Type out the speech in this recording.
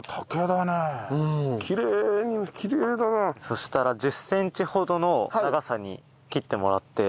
そしたら１０センチほどの長さに切ってもらって。